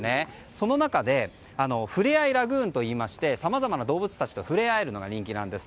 その中でふれあいラグーンといいましてさまざまな動物たちと触れ合えるのが人気なんです。